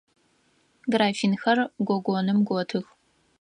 Графинхэр гогоным готых.